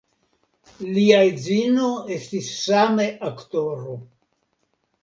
Lia edzino estis same aktoro.